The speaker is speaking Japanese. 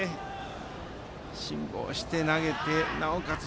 辛抱して投げてなおかつ